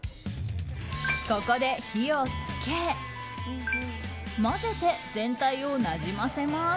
ここで火を付け混ぜて、全体をなじませます。